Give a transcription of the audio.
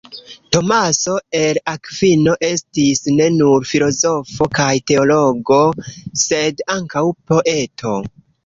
Tomaso el Akvino estis ne nur filozofo kaj teologo, sed ankaŭ poeto.